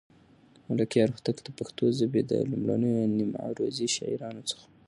ملکیار هوتک د پښتو ژبې د لومړنيو نیم عروضي شاعرانو څخه و.